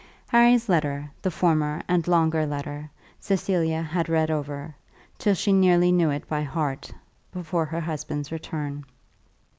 Harry's letter, the former and longer letter, Cecilia had read over, till she nearly knew it by heart, before her husband's return.